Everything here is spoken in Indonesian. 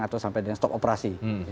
atau sampai dengan stop operasi